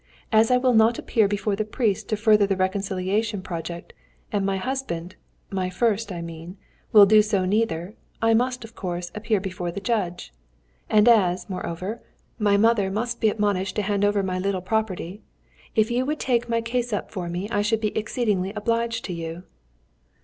As I will not appear before the priest to further the reconciliation project, and my husband (my first, I mean) will do so neither, I must, of course, appear before the judge! and as, moreover, my mother must be admonished to hand over my little property, if you would take my case up for me I should be exceedingly obliged to you."